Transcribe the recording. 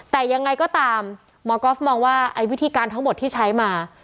แต่ยังไงก็ตามหมอก๊อฟมองว่าไอ้วิธีการทั้งหมดที่ใช้มา